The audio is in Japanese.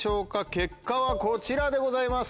結果はこちらでございます。